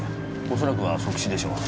おそらくは即死でしょう。